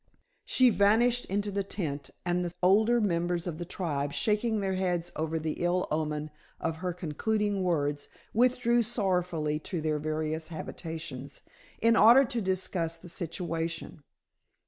She vanished into the tent, and the older members of the tribe, shaking their heads over the ill omen of her concluding words, withdrew sorrowfully to their various habitations, in order to discuss the situation.